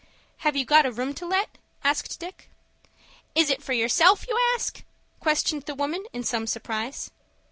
"Have you got a room to let?" asked Dick. "Is it for yourself you ask?" questioned the woman, in some surprise.